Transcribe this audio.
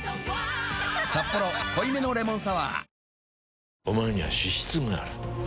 「サッポロ濃いめのレモンサワー」